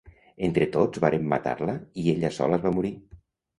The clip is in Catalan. Entre tots varen matar-la i ella sola es va morir.